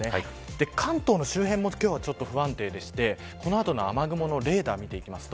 関東周辺も少し不安定でこの後の雨雲のレーダーを見ていきます。